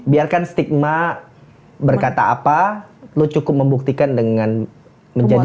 biarkan stigma berkata apa lo cukup membuktikan dengan menjadi